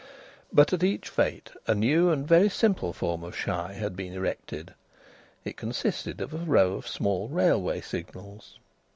But at each fête a new and very simple form of "shy" had been erected. It consisted of a row of small railway signals.